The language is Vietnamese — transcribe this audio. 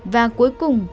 và cuối cùng